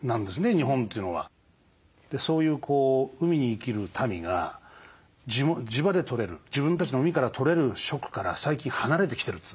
そういう海に生きる民が地場で取れる自分たちの海から取れる食から最近離れてきてるというわけですよ。